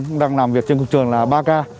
chúng đang làm việc trên cục trường là ba ca